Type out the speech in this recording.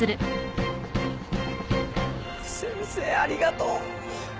先生ありがとう！